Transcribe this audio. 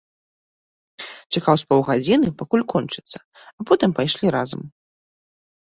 Чакаў з паўгадзіны, пакуль кончыцца, потым пайшлі разам.